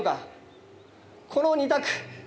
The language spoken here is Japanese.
この２択。